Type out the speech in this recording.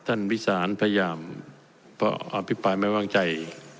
ท่านวิสานพยายามเพราะพี่ปายไม่ว่างใจ